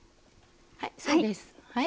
はいそうです。